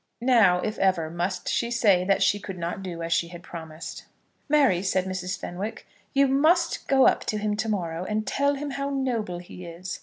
Now, if ever, must she say that she could not do as she had promised. "Mary," said Mrs. Fenwick, "you must go up to him to morrow, and tell him how noble he is."